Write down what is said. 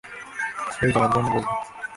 Please, আমার জন্য দোয়া করবেন।